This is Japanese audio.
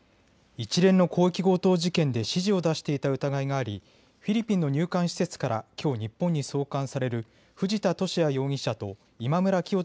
一連の広域強盗事件で指示を出していた疑いがありフィリピンの入管施設からきょう日本に送還される藤田聖也容疑者と今村磨人